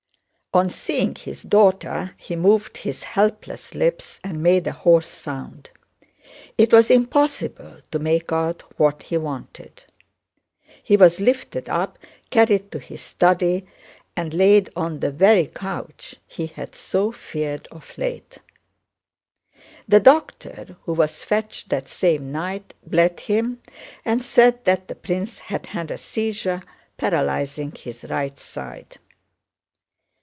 On seeing his daughter he moved his helpless lips and made a hoarse sound. It was impossible to make out what he wanted. He was lifted up, carried to his study, and laid on the very couch he had so feared of late. The doctor, who was fetched that same night, bled him and said that the prince had had a seizure paralyzing his right side.